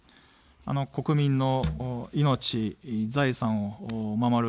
国民の命、財産を守る。